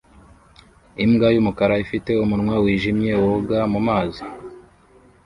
Imbwa yumukara ifite umunwa wijimye woga mumazi